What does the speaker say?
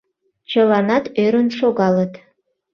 Чыланат ӧрын шогалыт.